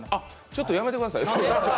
ちょっとやめてください。